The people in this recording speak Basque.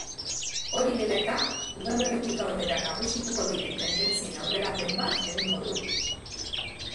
Hori dela eta, udaberritik aurrera nagusituko diren tendentzien aurrerapen bat egingo dugu.